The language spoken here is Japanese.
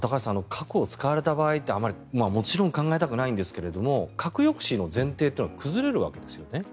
核を使われた場合もちろん考えたくないんですが核抑止の前提というのは崩れるわけですよね。